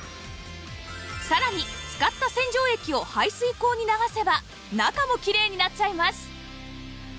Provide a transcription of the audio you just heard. さらに使った洗浄液を排水口に流せば中もきれいになっちゃいます！